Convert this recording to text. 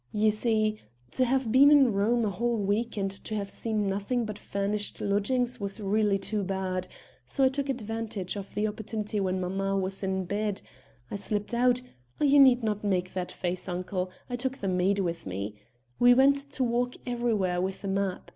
You see, to have been in Rome a whole week and to have seen nothing but furnished lodgings was really too bad, so I took advantage of the opportunity when mamma was in bed; I slipped out you need not make that face, Uncle, I took the maid with me we meant to walk everywhere with a map.